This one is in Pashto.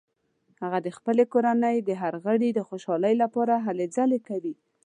هغه د خپلې کورنۍ د هر غړي د خوشحالۍ لپاره هلې ځلې کوي